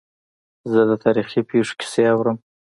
زه د تاریخي پېښو کیسې اورم.